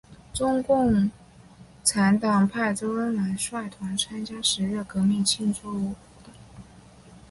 中国共产党派周恩来率团参加十月革命庆祝活动。